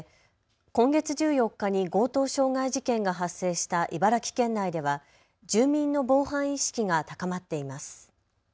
今月１４日に強盗傷害事件が発生した茨城県内では住民の防犯意識が高まっています。